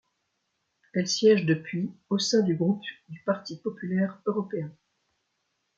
Elle siège depuis au sein du groupe du Parti populaire européen.